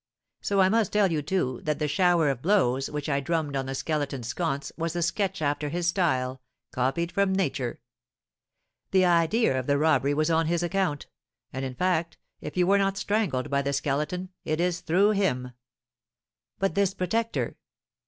So I must tell you, too, that the shower of blows which I drummed on the Skeleton's sconce was a sketch after his style, copied from nature. The idea of the robbery was on his account; and, in fact, if you were not strangled by the Skeleton, it is through him." "But this protector?"